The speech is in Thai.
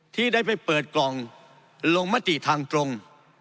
ที่ได้ไปเปิดกล่องลงมติทางตรง